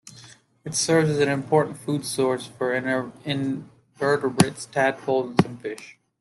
It serves as an important food source for invertebrates, tadpoles, and some fish.